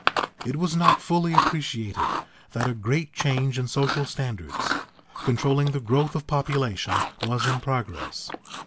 It was not fully appreciated that a great change in social standards, controlling the growth of population, was in progress.